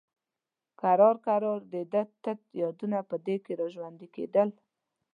کرار کرار د ده تت یادونه په ده کې را ژوندي کېدل.